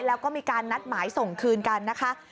แล้วก็มีการนัดหมายส่งคืนกันนะคะ